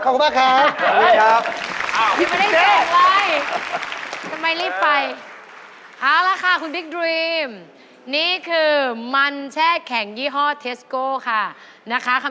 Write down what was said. อันนี้ถูกกว่าอันนี้ถูกกว่า